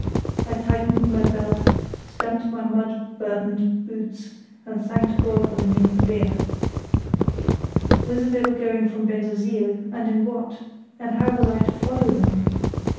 I tightened my belt, stamped my mud burdened boots, and thanked God for the Munich beer. Whither were they going from Bensersiel, and in what; and how was I to follow them?